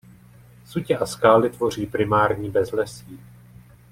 Sutě a skály tvoří primární bezlesí.